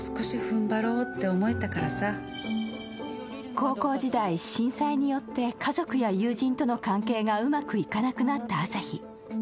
高校時代、震災によって家族や友人との関係がうまくいかなくなった、あさひ。